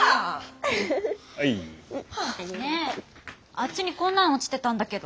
あっちにこんなの落ちてたんだけど。